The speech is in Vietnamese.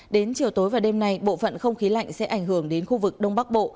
đến chiều tối và đêm nay bộ phận không khí lạnh sẽ ảnh hưởng đến khu vực đông bắc bộ